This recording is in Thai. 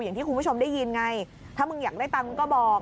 อย่างที่คุณผู้ชมได้ยินไงถ้ามึงอยากได้ตังค์ก็บอก